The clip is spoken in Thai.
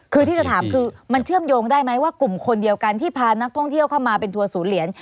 คือที่จะถามคือมันเชื่อมโยงได้ไหมว่ากลุ่มคนเดียวกันที่พานักท่องเที่ยวเข้ามาเป็นทัวร์ศูนย์เหรียญ